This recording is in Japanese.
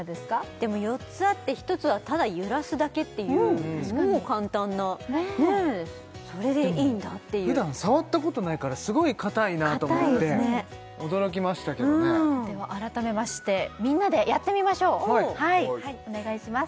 でも４つあって１つはただ揺らすだけっていうもう簡単なそれでいいんだっていう普段触ったことないからすごいかたいなと思って驚きましたけどねでは改めましてみんなでやってみましょうはいお願いします